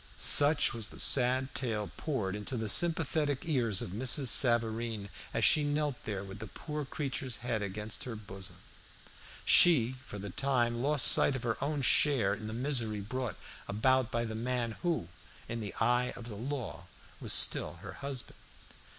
Such was the sad tale poured into the sympathetic ears of Mrs. Savareen, as she knelt there with the poor creature's head against her boson. She, for the time, lost sight of her own share in the misery brought about by the man who, in the eye of the law, was still her husband.